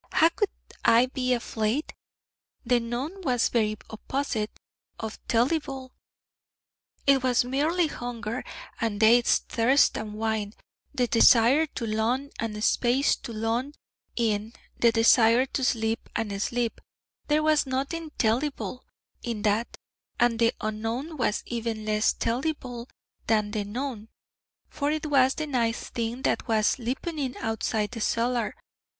How could I be aflaid? The known was the very opposite of tellible: it was merely hunger and dates, thirst and wine, the desire to lun and space to lun in, the desire to sleep and sleep: there was nothing tellible in that: and the unknown was even less tellible than the known: for it was the nice thing that was lipening outside the cellar.